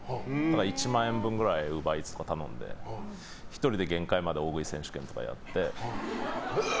１万円くらいウーバーイーツとか頼んで１人で限界まで大食い選手権とかやって。